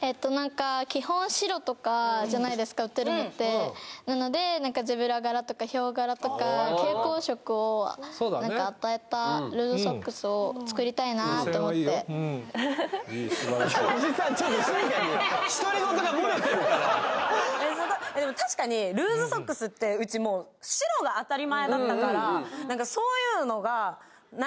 基本白とかじゃないですか売ってるのってなのでゼブラ柄とかヒョウ柄とか蛍光色を与えたルーズソックスを作りたいなと思っておじさんちょっと静かに独り言が漏れてるからでも確かにルーズソックスってうちもう白が当たり前だったからそういうのが何？